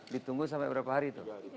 ditunggu sampai berapa hari itu